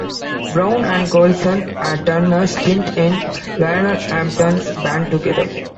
Brown and Golson had done a stint in Lionel Hampton's band together.